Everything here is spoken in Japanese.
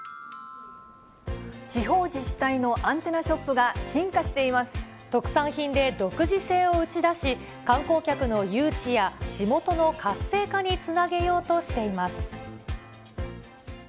地方自治体のアンテナショッ特産品で独自性を打ち出し、観光客の誘致や地元の活性化につなげようとしています。